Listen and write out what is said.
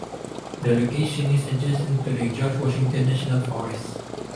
The location is adjacent to the George Washington National Forest.